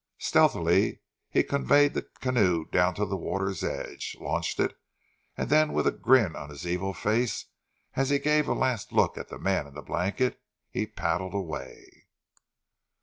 Stealthily he conveyed the canoe down to the water's edge, launched it, and then with a grin on his evil face as he gave a last look at the man in the blanket, he paddled away.